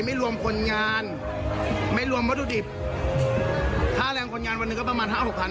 ไม่รวมคนงานไม่รวมวัตถุดิบค่าแรงคนงานวันหนึ่งก็ประมาณห้าหกพัน